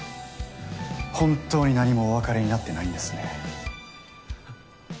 本当に何もおわかりになってないんですね。ははっ。